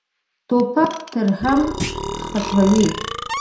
توپک ترحم ختموي.